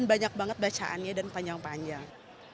banyak banget bacaannya dan panjang panjang